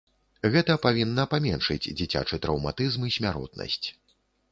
Гэта павінна паменшыць дзіцячы траўматызм і смяротнасць.